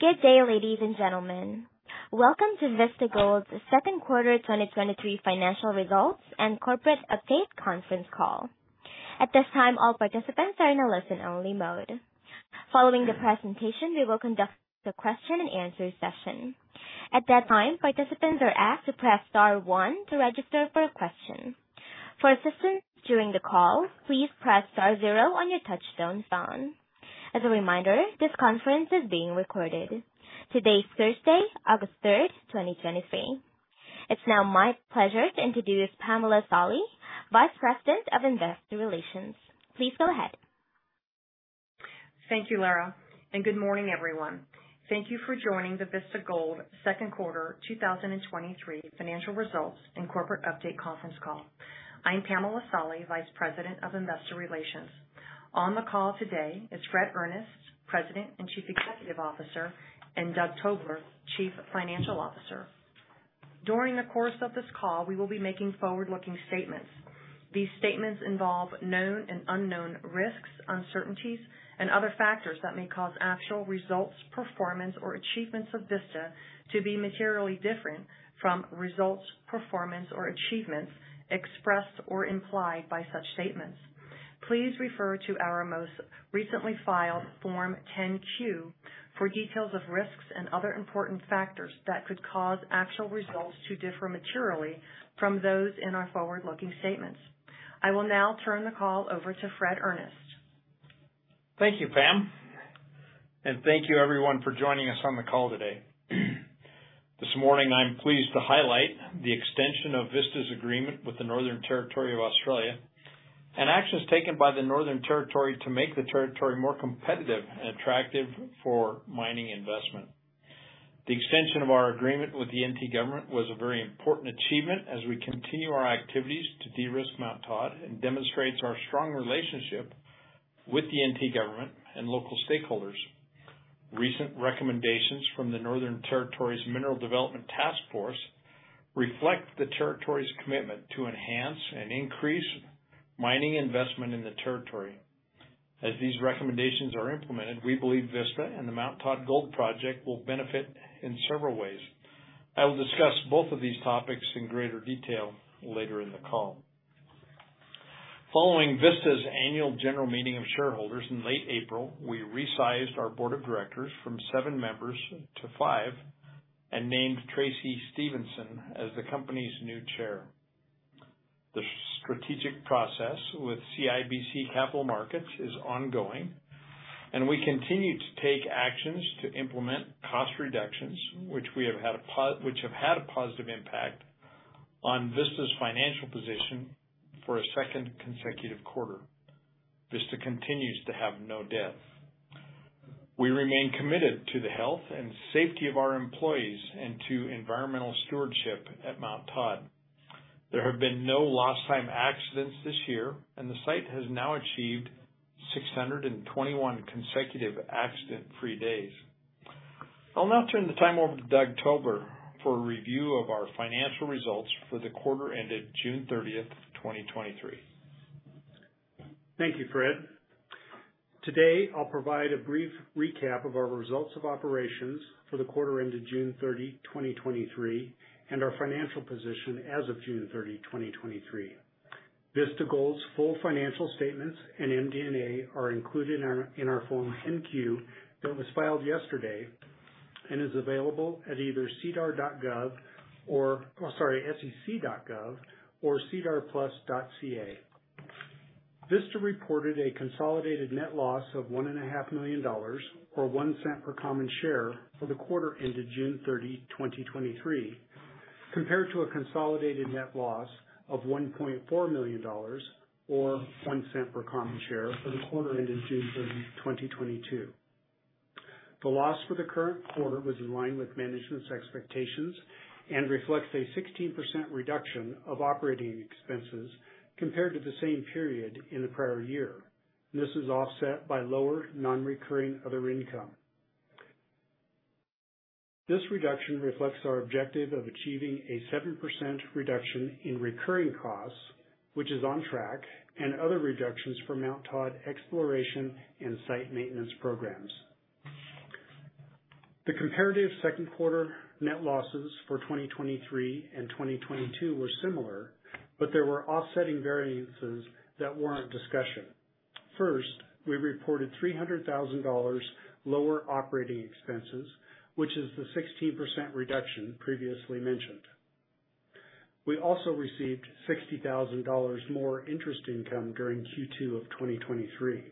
Good day, ladies and gentlemen. Welcome to Vista Gold's second quarter 2023 financial results and corporate update conference call. At this time, all participants are in a listen-only mode. Following the presentation, we will conduct a question and answer session. At that time, participants are asked to press star one to register for a question. For assistance during the call, please press star zero on your touchtone phone. As a reminder, this conference is being recorded. Today is Thursday, August 3, 2023. It's now my pleasure to introduce Pamela Solly, Vice President of Investor Relations. Please go ahead. Thank you, Lara, and good morning, everyone. Thank you for joining the Vista Gold second quarter 2023 financial results and corporate update conference call. I'm Pamela Solly, Vice President of Investor Relations. On the call today is Fred Earnest, President and Chief Executive Officer, and Doug Tobler, Chief Financial Officer. During the course of this call, we will be making forward-looking statements. These statements involve known and unknown risks, uncertainties, and other factors that may cause actual results, performance, or achievements of Vista to be materially different from results, performance, or achievements expressed or implied by such statements. Please refer to our most recently filed Form 10-Q for details of risks and other important factors that could cause actual results to differ materially from those in our forward-looking statements. I will now turn the call over to Fred Earnest. Thank you, Pam, and thank you everyone for joining us on the call today. This morning, I'm pleased to highlight the extension of Vista's agreement with the Northern Territory of Australia, and actions taken by the Northern Territory to make the territory more competitive and attractive for mining investment. The extension of our agreement with the NT government was a very important achievement as we continue our activities to de-risk Mount Todd, and demonstrates our strong relationship with the NT government and local stakeholders. Recent recommendations from the Northern Territory's Mineral Development Taskforce reflect the territory's commitment to enhance and increase mining investment in the territory. As these recommendations are implemented, we believe Vista and the Mount Todd Gold Project will benefit in several ways. I will discuss both of these topics in greater detail later in the call. Following Vista's annual general meeting of shareholders in late April, we resized our board of directors from 7 members to 5 and named Tracy Stevenson as the company's new chair. The strategic process with CIBC Capital Markets is ongoing, we continue to take actions to implement cost reductions, which have had a positive impact on Vista's financial position for a 2nd consecutive quarter. Vista continues to have no debt. We remain committed to the health and safety of our employees and to environmental stewardship at Mount Todd. There have been no lost time accidents this year, the site has now achieved 621 consecutive accident-free days. I'll now turn the time over to Doug Tobler for a review of our financial results for the quarter ended June 30th, 2023. Thank you, Fred. Today, I'll provide a brief recap of our results of operations for the quarter ended June 30, 2023, and our financial position as of June 30, 2023. Vista Gold's full financial statements and MD&A are included in our, in our Form 10-Q that was filed yesterday and is available at either sedar.gov, or, oh, sorry, sec.gov or sedarplus.ca. Vista reported a consolidated net loss of $1.5 million, or $0.01 per common share for the quarter ended June 30, 2023, compared to a consolidated net loss of $1.4 million, or $0.01 per common share for the quarter ended June 30, 2022. The loss for the current quarter was in line with management's expectations and reflects a 16% reduction of operating expenses compared to the same period in the prior year. This is offset by lower non-recurring other income. This reduction reflects our objective of achieving a 7% reduction in recurring costs, which is on track, and other reductions for Mount Todd exploration and site maintenance programs. The comparative second quarter net losses for 2023 and 2022 were similar. There were offsetting variances that warrant discussion. First, we reported $300,000 lower operating expenses, which is the 16% reduction previously mentioned. We also received $60,000 more interest income during Q2 of 2023.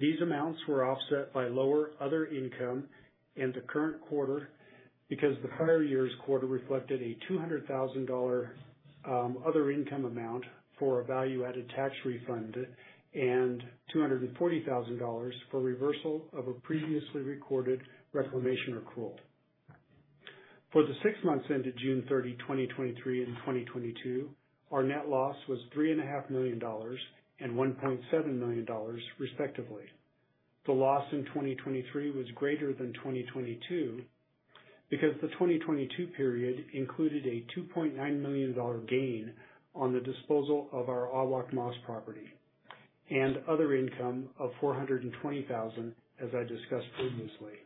These amounts were offset by lower other income in the current quarter because the prior year's quarter reflected a $200,000 other income amount for a value-added tax refund and $240,000 for reversal of a previously recorded reclamation accrual. For the 6 months ended June 30, 2023 and 2022, our net loss was $3.5 million and $1.7 million, respectively. The loss in 2023 was greater than 2022 because the 2022 period included a $2.9 million gain on the disposal of our Awak Mas property and other income of $420,000, as I discussed previously.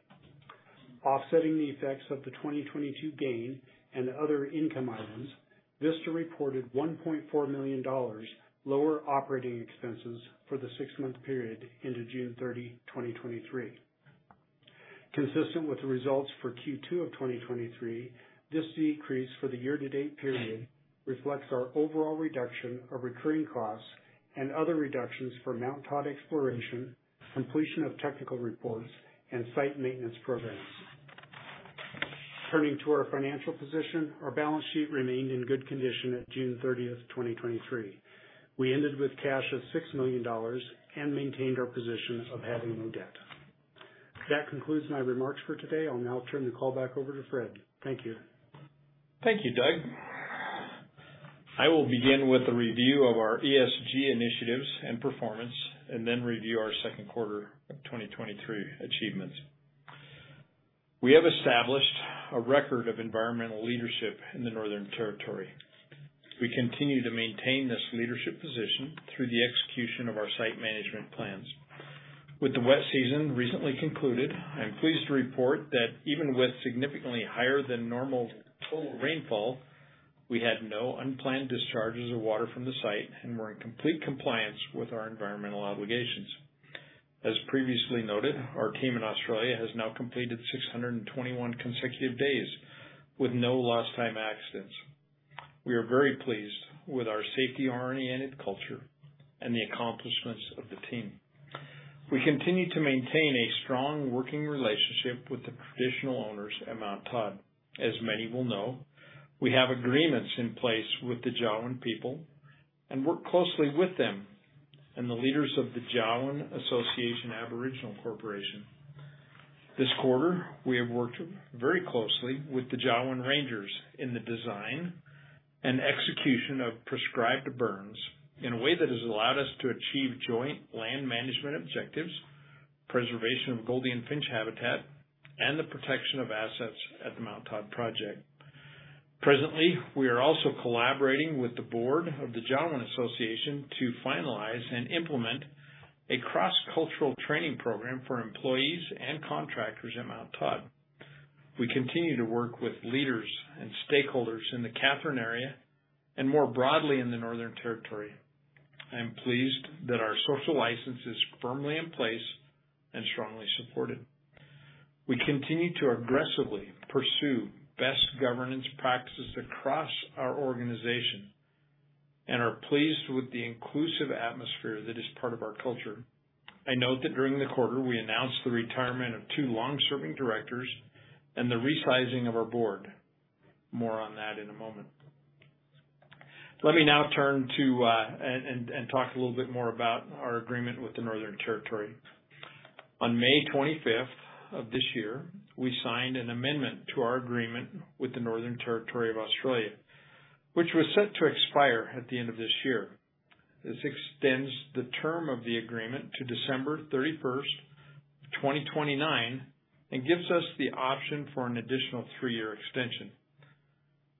Offsetting the effects of the 2022 gain and other income items, Vista reported $1.4 million lower operating expenses for the 6-month period into June 30, 2023. Consistent with the results for Q2 of 2023, this decrease for the year-to-date period reflects our overall reduction of recurring costs and other reductions for Mount Todd exploration, completion of technical reports, and site maintenance programs. Turning to our financial position, our balance sheet remained in good condition at June 30, 2023. We ended with cash of $6 million and maintained our position of having no debt. That concludes my remarks for today. I'll now turn the call back over to Fred. Thank you. Thank you, Doug. I will begin with a review of our ESG initiatives and performance, and then review our second quarter of 2023 achievements. We have established a record of environmental leadership in the Northern Territory. We continue to maintain this leadership position through the execution of our site management plans. With the wet season recently concluded, I'm pleased to report that even with significantly higher than normal total rainfall, we had no unplanned discharges of water from the site and we're in complete compliance with our environmental obligations. As previously noted, our team in Australia has now completed 621 consecutive days with no lost time accidents. We are very pleased with our safety-oriented culture and the accomplishments of the team. We continue to maintain a strong working relationship with the traditional owners at Mount Todd. As many will know, we have agreements in place with the Jawoyn people and work closely with them and the leaders of the Jawoyn Association Aboriginal Corporation. This quarter, we have worked very closely with the Jawoyn Rangers in the design and execution of prescribed burns in a way that has allowed us to achieve joint land management objectives, preservation of Gouldian finch habitat, and the protection of assets at the Mount Todd Project. Presently, we are also collaborating with the board of the Jawoyn Association to finalize and implement a cross-cultural training program for employees and contractors at Mount Todd. We continue to work with leaders and stakeholders in the Katherine area and more broadly in the Northern Territory. I am pleased that our social license is firmly in place and strongly supported. We continue to aggressively pursue best governance practices across our organization and are pleased with the inclusive atmosphere that is part of our culture. I note that during the quarter, we announced the retirement of two long-serving directors and the resizing of our board. More on that in a moment. Let me now turn to talk a little bit more about our agreement with the Northern Territory. On May 25th of this year, we signed an amendment to our agreement with the Northern Territory of Australia, which was set to expire at the end of this year. This extends the term of the agreement to December 31st, 2029, and gives us the option for an additional three-year extension.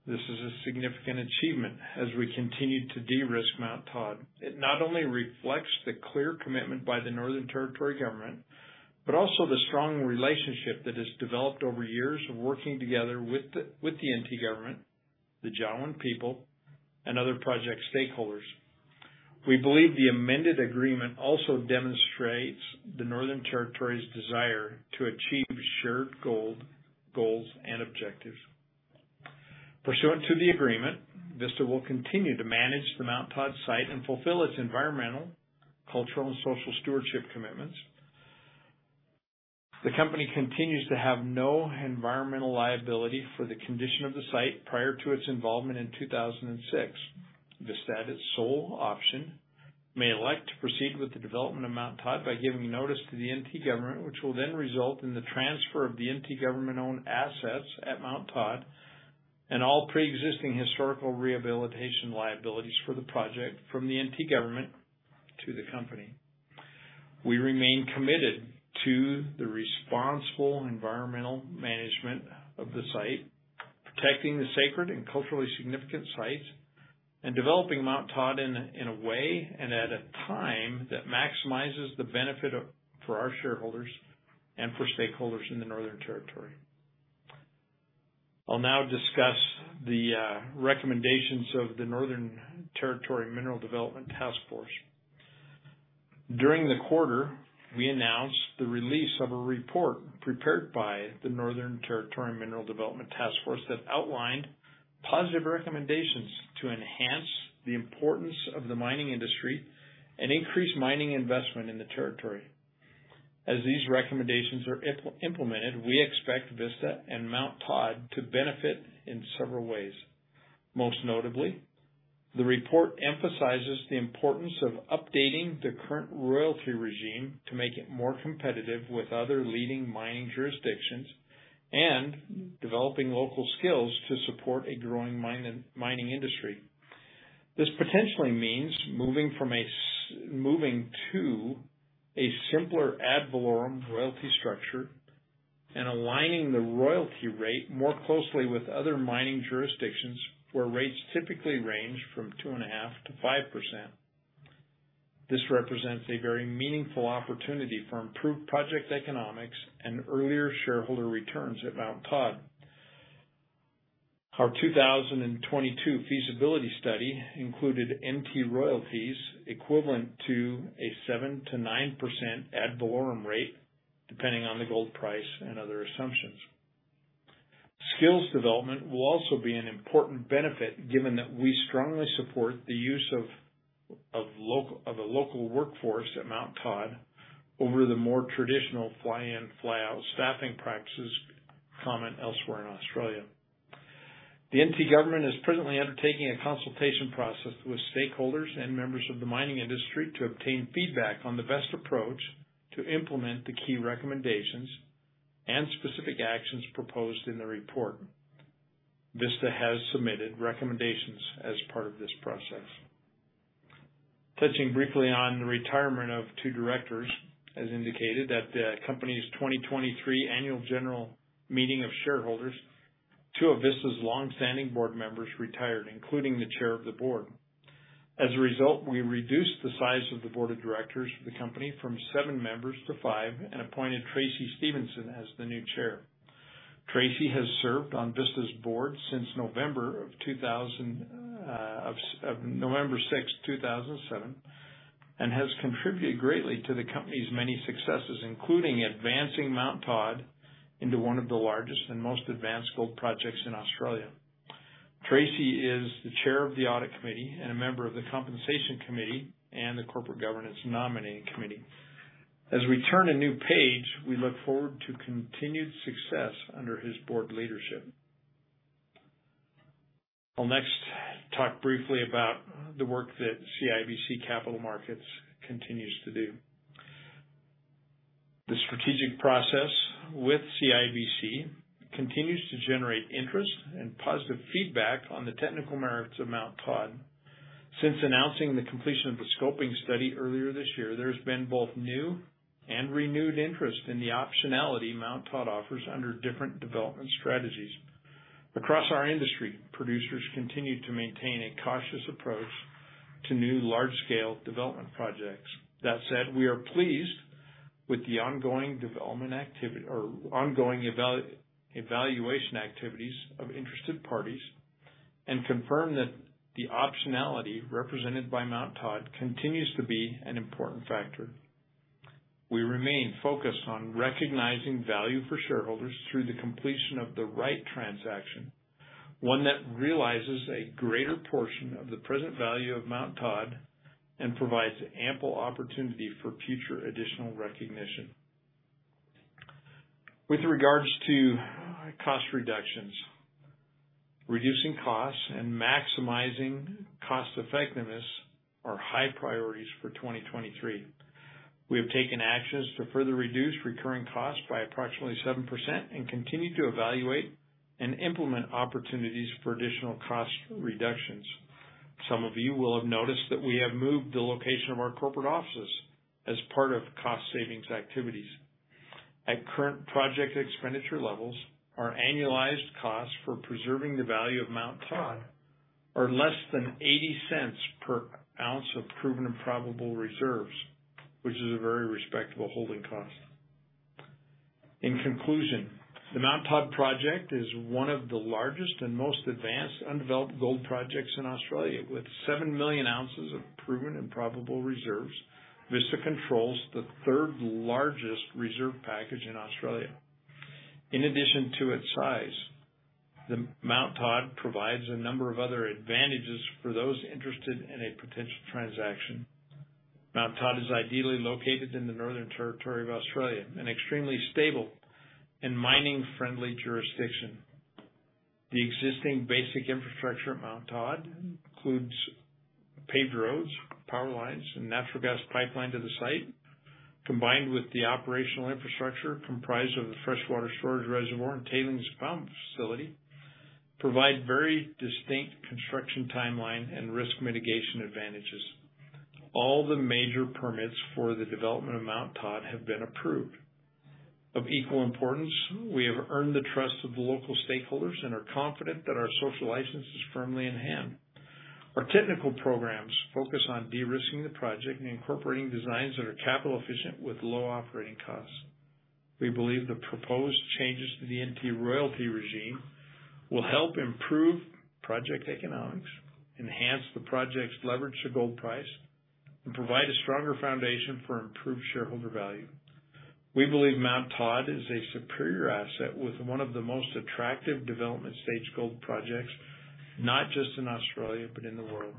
This is a significant achievement as we continue to de-risk Mount Todd. It not only reflects the clear commitment by the Northern Territory Government, but also the strong relationship that has developed over years of working together with the NT Government, the Jawoyn people, and other project stakeholders. We believe the amended agreement also demonstrates the Northern Territory's desire to achieve shared gold, goals and objectives. Pursuant to the agreement, Vista will continue to manage the Mount Todd site and fulfill its environmental, cultural, and social stewardship commitments. The company continues to have no environmental liability for the condition of the site prior to its involvement in 2006. Vista, at its sole option, may elect to proceed with the development of Mount Todd by giving notice to the NT government, which will then result in the transfer of the NT government-owned assets at Mount Todd and all pre-existing historical rehabilitation liabilities for the project from the NT government to the company. We remain committed to the responsible environmental management of the site, protecting the sacred and culturally significant sites, and developing Mount Todd in a way and at a time that maximizes the benefit of, for our shareholders and for stakeholders in the Northern Territory. I'll now discuss the recommendations of the Northern Territory Mineral Development Taskforce. During the quarter, we announced the release of a report prepared by the Northern Territory Mineral Development Taskforce that outlined positive recommendations to enhance the importance of the mining industry and increase mining investment in the territory. As these recommendations are implemented, we expect Vista and Mount Todd to benefit in several ways. Most notably, the report emphasizes the importance of updating the current royalty regime to make it more competitive with other leading mining jurisdictions and developing local skills to support a growing mining industry. This potentially means moving to a simpler ad valorem royalty structure and aligning the royalty rate more closely with other mining jurisdictions, where rates typically range from 2.5%-5%. This represents a very meaningful opportunity for improved project economics and earlier shareholder returns at Mount Todd. Our 2022 feasibility study included NT royalties equivalent to a 7%-9% ad valorem rate, depending on the gold price and other assumptions. Skills development will also be an important benefit, given that we strongly support the use of a local workforce at Mount Todd over the more traditional fly-in, fly-out staffing practices common elsewhere in Australia. The NT government is presently undertaking a consultation process with stakeholders and members of the mining industry to obtain feedback on the best approach to implement the key recommendations and specific actions proposed in the report. Vista has submitted recommendations as part of this process. Touching briefly on the retirement of 2 directors, as indicated at the company's 2023 annual general meeting of shareholders, 2 of Vista's longstanding board members retired, including the chair of the board. As a result, we reduced the size of the board of directors for the company from 7 members to 5, and appointed Tracy Stevenson as the new chair. Tracy has served on Vista's board since November 6, 2007, and has contributed greatly to the company's many successes, including advancing Mount Todd into one of the largest and most advanced gold projects in Australia. Tracy is the chair of the audit committee and a member of the compensation committee, and the corporate governance nominating committee. As we turn a new page, we look forward to continued success under his board leadership. I'll next talk briefly about the work that CIBC Capital Markets continues to do. The strategic process with CIBC continues to generate interest and positive feedback on the technical merits of Mount Todd. Since announcing the completion of the scoping study earlier this year, there has been both new and renewed interest in the optionality Mount Todd offers under different development strategies. Across our industry, producers continue to maintain a cautious approach to new large-scale development projects. That said, we are pleased with the ongoing development activity or ongoing evaluation activities of interested parties, and confirm that the optionality represented by Mount Todd continues to be an important factor. We remain focused on recognizing value for shareholders through the completion of the right transaction, one that realizes a greater portion of the present value of Mount Todd and provides ample opportunity for future additional recognition. With regards to cost reductions, reducing costs and maximizing cost effectiveness are high priorities for 2023. We have taken actions to further reduce recurring costs by approximately 7% and continue to evaluate and implement opportunities for additional cost reductions. Some of you will have noticed that we have moved the location of our corporate offices as part of cost savings activities. At current project expenditure levels, our annualized costs for preserving the value of Mount Todd are less than $0.80 per ounce of proven and probable reserves, which is a very respectable holding cost. In conclusion, the Mount Todd project is one of the largest and most advanced undeveloped gold projects in Australia. With 7 million ounces of proven and probable reserves, Vista controls the third largest reserve package in Australia. In addition to its size, the Mount Todd provides a number of other advantages for those interested in a potential transaction. Mount Todd is ideally located in the Northern Territory of Australia, an extremely stable and mining-friendly jurisdiction. The existing basic infrastructure at Mount Todd includes paved roads, power lines, and natural gas pipeline to the site. Combined with the operational infrastructure, comprised of the freshwater storage reservoir and tailings impoundment facility, provide very distinct construction timeline and risk mitigation advantages. All the major permits for the development of Mount Todd have been approved. Of equal importance, we have earned the trust of the local stakeholders and are confident that our social license is firmly in hand. Our technical programs focus on de-risking the project and incorporating designs that are capital efficient with low operating costs. We believe the proposed changes to the NT royalty regime will help improve project economics, enhance the project's leverage to gold price, and provide a stronger foundation for improved shareholder value. We believe Mount Todd is a superior asset with one of the most attractive development stage gold projects, not just in Australia, but in the world.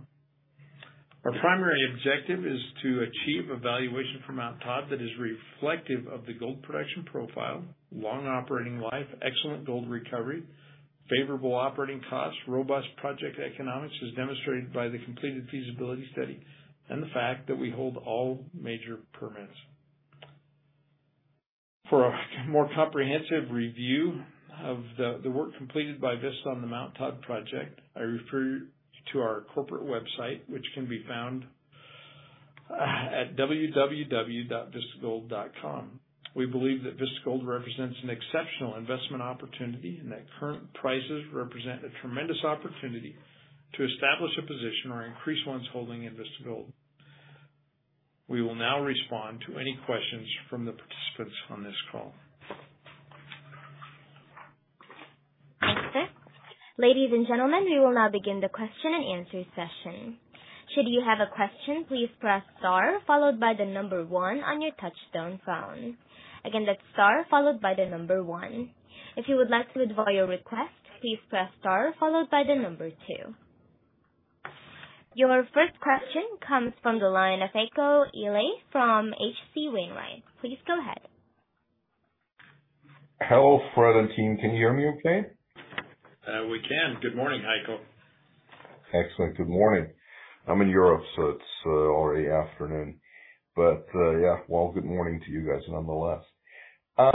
Our primary objective is to achieve a valuation for Mount Todd that is reflective of the gold production profile, long operating life, excellent gold recovery, favorable operating costs, robust project economics, as demonstrated by the completed feasibility study, and the fact that we hold all major permits.... For a more comprehensive review of the work completed by Vista on the Mount Todd project, I refer you to our corporate website, which can be found, at www.vistagold.com. We believe that Vista Gold represents an exceptional investment opportunity and that current prices represent a tremendous opportunity to establish a position or increase one's holding in Vista Gold. We will now respond to any questions from the participants on this call. Thanks, sir. Ladies and gentlemen, we will now begin the question and answer session. Should you have a question, please press star followed by the number 1 on your touchtone phone. Again, that's star followed by the number one. If you would like to withdraw your request, please press star followed by the number two. Your first question comes from the line of Heiko Ihle from H.C. Wainwright. Please go ahead. Hello, Fred and team. Can you hear me okay? We can. Good morning, Heiko. Excellent. Good morning. I'm in Europe, so it's already afternoon, but, yeah, well, good morning to you guys, nonetheless. A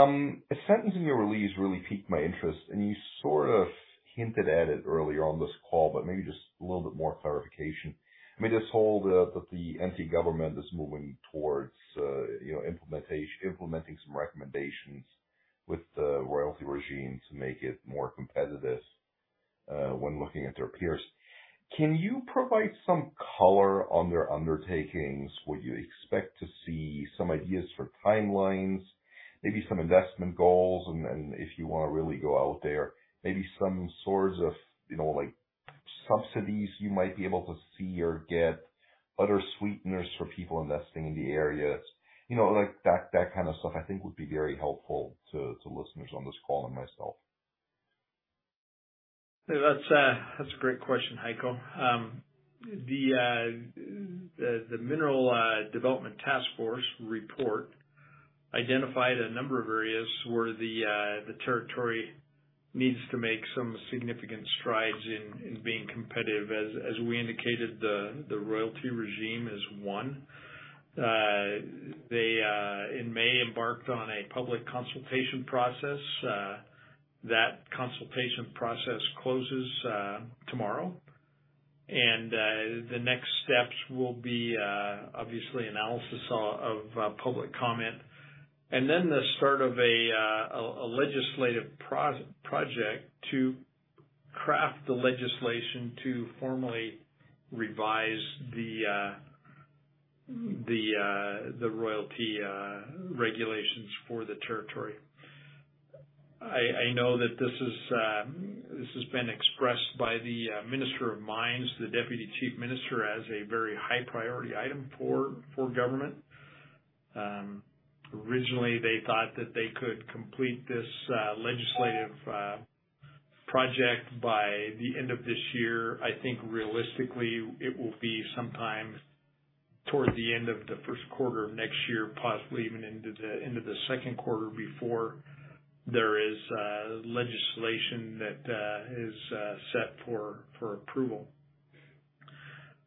sentence in your release really piqued my interest, and you sort of hinted at it earlier on this call, but maybe just a little bit more clarification. I mean, this whole that the NT government is moving towards, you know, implementation, implementing some recommendations with the royalty regime to make it more competitive when looking at their peers. Can you provide some color on their undertakings? Would you expect to see some ideas for timelines, maybe some investment goals, and if you want to really go out there, maybe some sorts of, you know, like subsidies you might be able to see or get other sweeteners for people investing in the areas? You know, like that, that kind of stuff, I think would be very helpful to, to listeners on this call and myself. That's, that's a great question, Heiko. The, the, the Mineral Development Taskforce report identified a number of areas where the, the territory needs to make some significant strides in, in being competitive. As, as we indicated, the, the royalty regime is one. They, in May, embarked on a public consultation process. That consultation process closes, tomorrow. The next steps will be, obviously, analysis of, of, public comment and then the start of a, a, a legislative pros- project to craft the legislation to formally revise the, the, the royalty, regulations for the territory. I, I know that this is, this has been expressed by the Minister of Mines, the Deputy Chief Minister, as a very high priority item for, for government. Originally, they thought that they could complete this legislative project by the end of this year. I think realistically, it will be sometime toward the end of the first quarter of next year, possibly even into the second quarter, before there is legislation that is set for approval.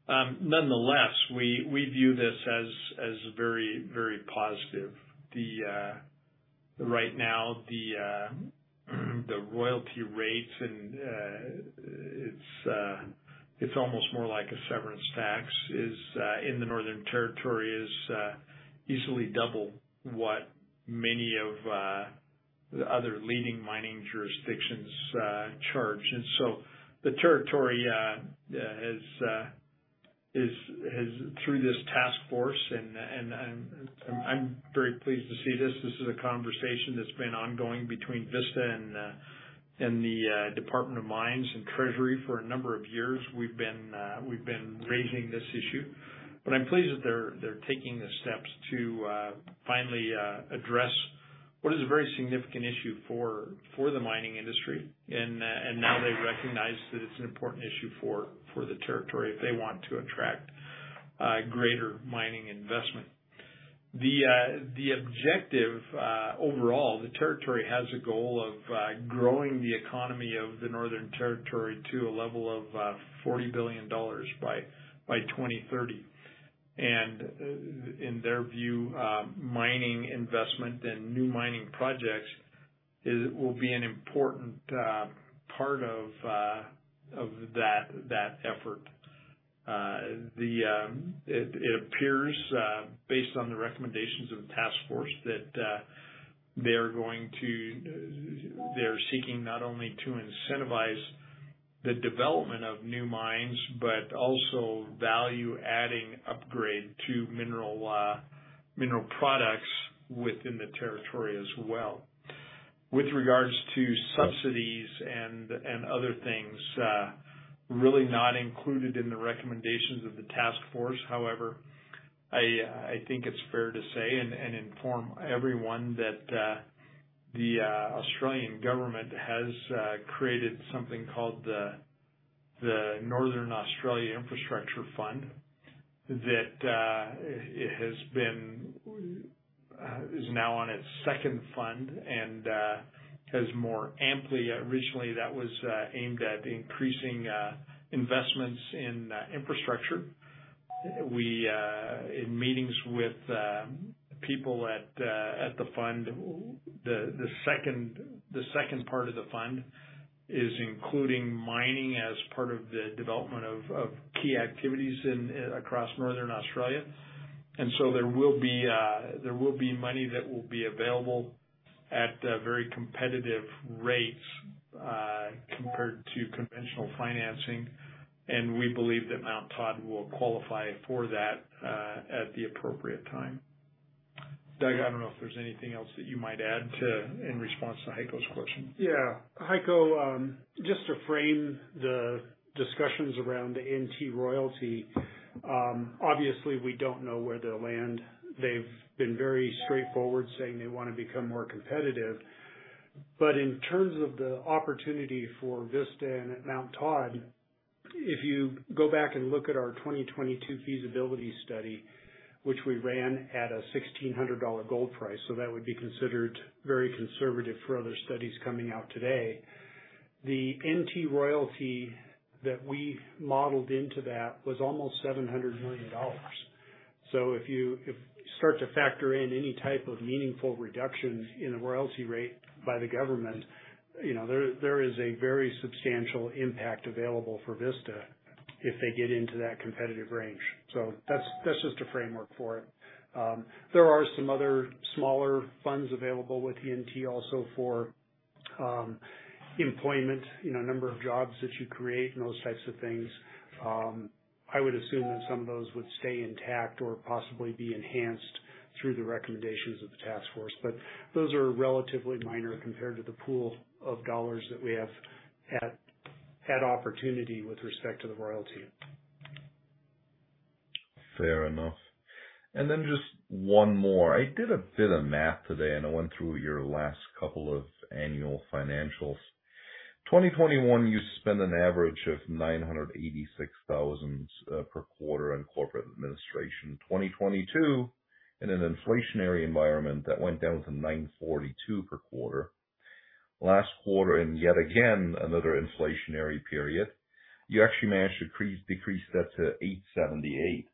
Nonetheless, we view this as very, very positive. Right now, the royalty rates and it's almost more like a severance tax, is in the Northern Territory, is easily double what many of the other leading mining jurisdictions charge. The territory has through this Taskforce and I'm very pleased to see this. This is a conversation that's been ongoing between Vista and, and the Department of Mines and Treasury for a number of years. We've been, we've been raising this issue, but I'm pleased that they're, they're taking the steps to finally address what is a very significant issue for, for the mining industry. Now they recognize that it's an important issue for, for the territory if they want to attract greater mining investment. The objective overall, the territory has a goal of growing the economy of the Northern Territory to a level of $40 billion by 2030. And in their view, mining investment and new mining projects is, will be an important part of that, that effort. The... It appears, based on the recommendations of the Mineral Development Taskforce, that they're going to, they're seeking not only to incentivize the development of new mines, but also value-adding upgrade to mineral products within the Territory as well. With regards to subsidies and other things, really not included in the recommendations of the Mineral Development Taskforce. However, I think it's fair to say and inform everyone that the Australian government has created something called the Northern Australia Infrastructure Facility, that it has been, is now on its 2nd fund and has more amply originally, that was aimed at increasing investments in infrastructure. We, in meetings with, people at, at the fund, the, the second, the second part of the fund is including mining as part of the development of, of key activities in, across Northern Australia. There will be, there will be money that will be available at, very competitive rates, compared to conventional financing, and we believe that Mount Todd will qualify for that, at the appropriate time. Doug, I don't know if there's anything else that you might add to... in response to Heiko's question. Yeah. Heiko, just to frame the discussions around the NT royalty, obviously we don't know where they'll land. They've been very straightforward, saying they want to become more competitive. In terms of the opportunity for Vista and at Mount Todd, if you go back and look at our 2022 feasibility study, which we ran at a $1,600 gold price, that would be considered very conservative for other studies coming out today. The NT royalty that we modeled into that was almost $700 million. If you start to factor in any type of meaningful reduction in the royalty rate by the government, you know, there, there is a very substantial impact available for Vista if they get into that competitive range. That's, that's just a framework for it. There are some other smaller funds available with the NT also for, employment, you know, number of jobs that you create and those types of things. I would assume that some of those would stay intact or possibly be enhanced through the recommendations of the Taskforce. Those are relatively minor compared to the pool of dollars that we have at, at opportunity with respect to the royalty. Fair enough. Then just one more. I did a bit of math today, and I went through your last couple of annual financials. 2021, you spent an average of $986,000 per quarter on corporate administration. 2022, in an inflationary environment, that went down to $942 per quarter. Last quarter, and yet again, another inflationary period, you actually managed to decrease that to $878.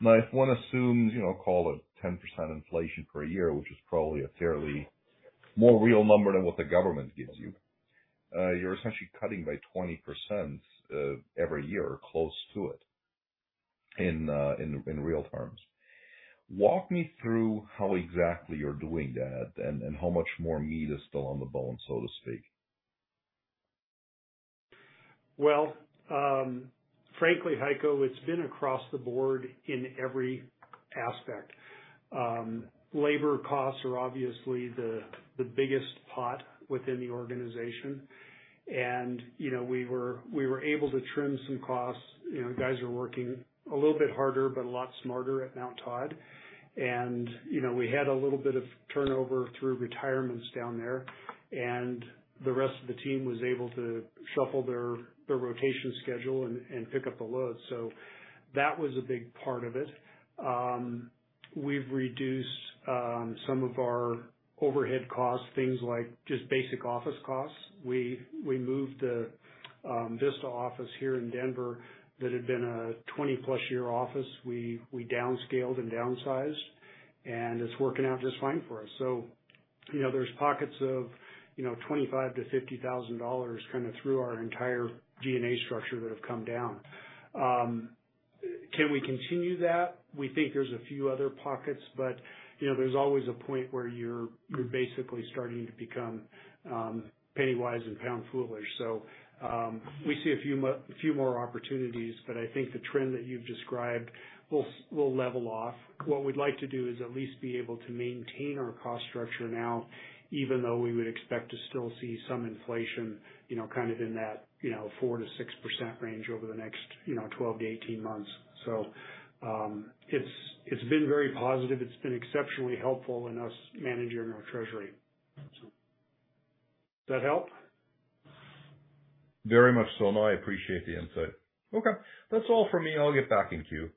Now, if one assumes, you know, call it 10% inflation per year, which is probably a fairly more real number than what the government gives you, you're essentially cutting by 20% every year, or close to it, in, in, in real terms. Walk me through how exactly you're doing that and, and how much more meat is still on the bone, so to speak. Well, frankly, Heiko, it's been across the board in every aspect. Labor costs are obviously the, the biggest pot within the organization. You know, we were, we were able to trim some costs. You know, guys are working a little bit harder, but a lot smarter at Mount Todd. You know, we had a little bit of turnover through retirements down there, and the rest of the team was able to shuffle their, their rotation schedule and, and pick up the load. That was a big part of it. We've reduced some of our overhead costs, things like just basic office costs. We, we moved the Vista office here in Denver that had been a 20-plus year office. We, we downscaled and downsized, and it's working out just fine for us. You know, there's pockets of, you know, $25,000-$50,000 kind of through our entire G&A structure that have come down. Can we continue that? We think there's a few other pockets, but, you know, there's always a point where you're, you're basically starting to become penny-wise and pound-foolish. We see a few more opportunities, but I think the trend that you've described will, will level off. What we'd like to do is at least be able to maintain our cost structure now, even though we would expect to still see some inflation, you know, kind of in that, you know, 4%-6% range over the next, you know, 12-18 months. It's, it's been very positive. It's been exceptionally helpful in us managing our Treasury. Does that help? Very much so. No, I appreciate the insight. Okay, that's all for me. I'll get back into queue.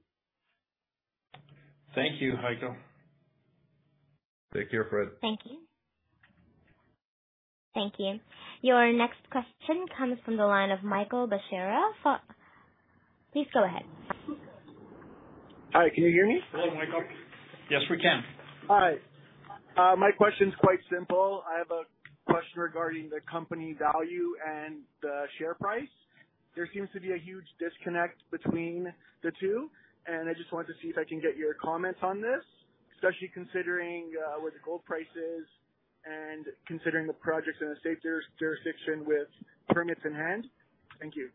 Thank you, Heiko. Take care, Fred. Thank you. Thank you. Your next question comes from the line of Michael Bachura. Please go ahead. Hi, can you hear me? Hello, Michael. Yes, we can. Hi. My question is quite simple. I have a question regarding the company value and the share price. There seems to be a huge disconnect between the two, and I just wanted to see if I can get your comments on this, especially considering where the gold price is and considering the projects in a safe juris- jurisdiction with permits in hand. Thank you.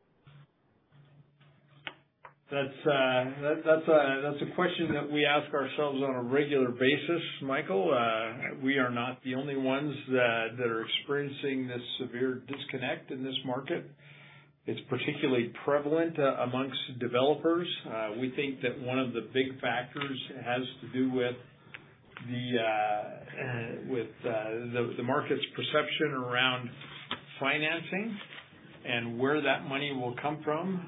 That's, that's a, that's a question that we ask ourselves on a regular basis, Michael. We are not the only ones that are experiencing this severe disconnect in this market. It's particularly prevalent amongst developers. We think that one of the big factors has to do with the market's perception around financing and where that money will come from.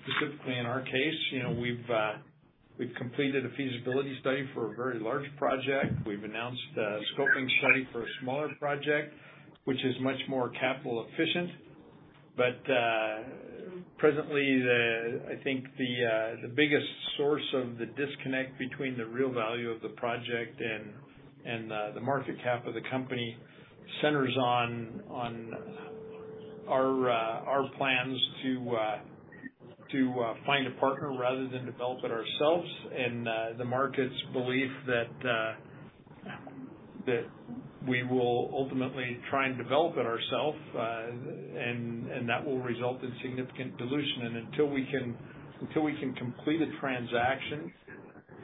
Specifically in our case, you know, we've completed a feasibility study for a very large project. We've announced a scoping study for a smaller project, which is much more capital efficient.... Presently, the, I think the, the biggest source of the disconnect between the real value of the project and, and, the market cap of the company centers on, on our, our plans to, to, find a partner rather than develop it ourselves. The market's belief that, that we will ultimately try and develop it ourself, and, and that will result in significant dilution. Until we can, until we can complete a transaction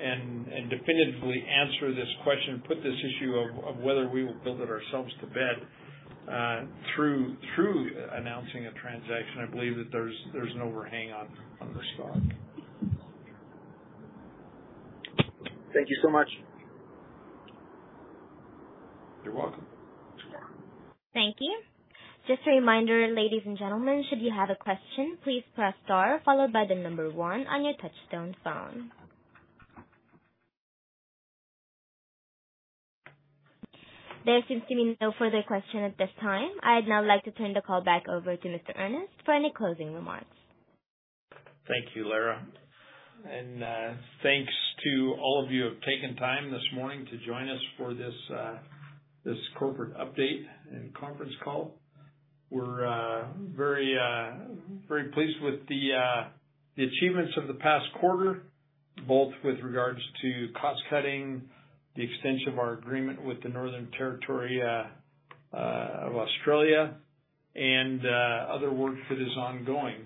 and, and definitively answer this question, put this issue of, of whether we will build it ourselves to bed, through, through announcing a transaction, I believe that there's, there's an overhang on, on the stock. Thank you so much. You're welcome. Thank you. Just a reminder, ladies and gentlemen, should you have a question, please press star followed by the number one on your touchtone phone. There seems to be no further question at this time. I'd now like to turn the call back over to Mr. Earnest for any closing remarks. Thank you, Lara, and thanks to all of you who have taken time this morning to join us for this, this corporate update and conference call. We're very, very pleased with the achievements of the past quarter, both with regards to cost cutting, the extension of our agreement with the Northern Territory of Australia, and other work that is ongoing.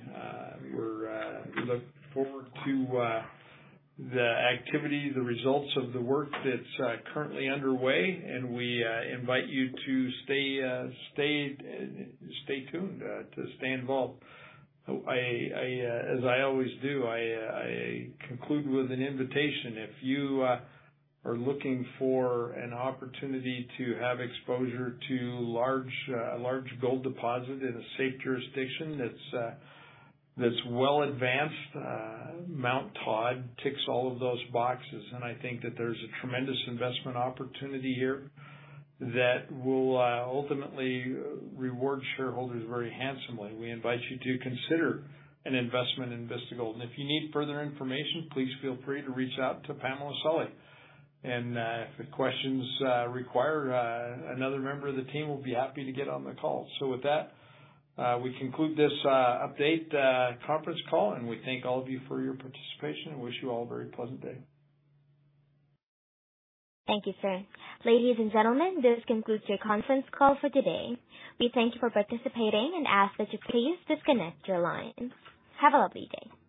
We're we look forward to the activity, the results of the work that's currently underway, and we invite you to stay, stay, stay tuned, to stay involved. I, I, as I always do, I, I conclude with an invitation. If you are looking for an opportunity to have exposure to large, a large gold deposit in a safe jurisdiction that's that's well advanced, Mount Todd ticks all of those boxes. I think that there's a tremendous investment opportunity here that will ultimately reward shareholders very handsomely. We invite you to consider an investment in Vista Gold. If you need further information, please feel free to reach out to Pamela Solly. If the questions require another member of the team, we'll be happy to get on the call. With that, we conclude this update conference call, and we thank all of you for your participation and wish you all a very pleasant day. Thank you, sir. Ladies and gentlemen, this concludes your conference call for today. We thank you for participating and ask that you please disconnect your lines. Have a lovely day.